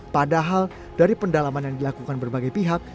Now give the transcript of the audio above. padahal dari pendalaman yang dilakukan berbagai pihak